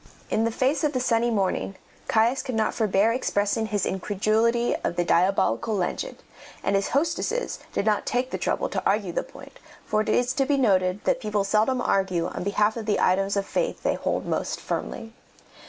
In the face of the sunny morning, Caius could not forbear expressing his incredulity of the diabolical legend, and his hostesses did not take the trouble to argue the point, for it is to be noted that people seldom argue on behalf of the items of faith they hold most firmly.